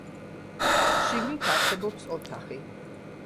შიგნით არსებობს ოთახი.